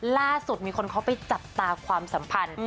ล่าสุดมีคนเขาไปจับตาความสัมพันธ์